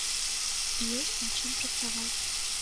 Ёсць над чым працаваць.